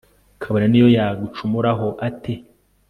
kabone n'iyo yagucumuraho ate